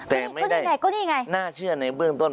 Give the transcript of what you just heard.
แต่ไม่ได้น่าเชื่อในเบื้องต้น